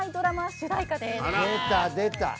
出た出た。